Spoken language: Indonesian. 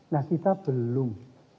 nah kita belum